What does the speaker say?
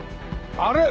あれ？